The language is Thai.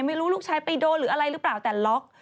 ไม่รู้ลูกชายไปโดนหรืออะไรหรือเปล่าแต่ล็อก